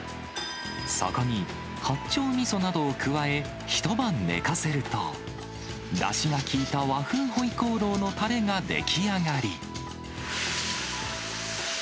そこに八丁みそなどを加え、一晩寝かせると、だしが効いた和風ホイコーローのたれが出来上がり。